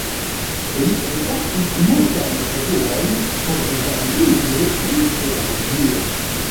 Li redaktis multajn revuojn portugallingve pri pedagogio.